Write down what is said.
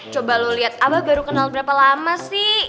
coba lo lihat abah baru kenal berapa lama sih